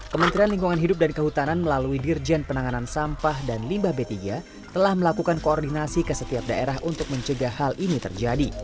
kementerian lingkungan hidup dan kehutanan melalui dirjen penanganan sampah dan limbah b tiga telah melakukan koordinasi ke setiap daerah untuk mencegah hal ini terjadi